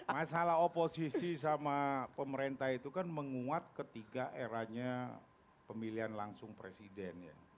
masalah oposisi sama pemerintah itu kan menguat ketiga eranya pemilihan langsung presiden ya